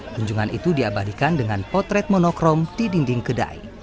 kunjungan itu diabadikan dengan potret monokrom di dinding kedai